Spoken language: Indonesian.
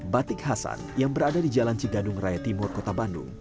batik hasan yang berada di jalan cigadung raya timur kota bandung